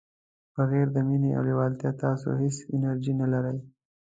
بغير د مینې او لیوالتیا تاسو هیڅ انرژي نه لرئ.